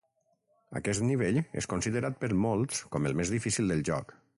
Aquest nivell és considerat per molts com el més difícil del joc.